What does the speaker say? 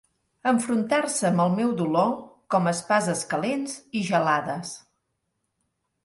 Enfrontar-se amb el meu dolor com espases calents i gelades.